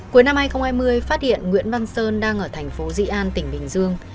cuối năm hai nghìn hai mươi phát hiện nguyễn văn sơn đang ở thành phố dị an tỉnh bình dương